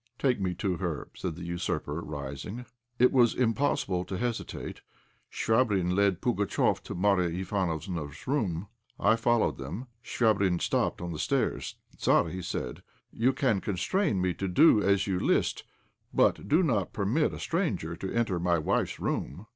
"Take me to her," said the usurper, rising. It was impossible to hesitate. Chvabrine led Pugatchéf to Marya Ivánofna's room. I followed them. Chvabrine stopped on the stairs. "Tzar," said he, "you can constrain me to do as you list, but do not permit a stranger to enter my wife's room."